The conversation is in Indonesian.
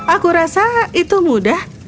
aku rasa itu mudah